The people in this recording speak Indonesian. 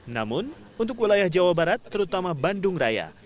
namun untuk wilayah jawa barat terutama bandung raya